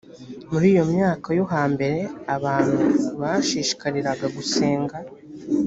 muri iyo myaka yo hambere abantu bashishikariraga gusenga